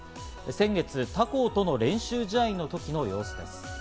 先月、他校との練習試合の時の様子です。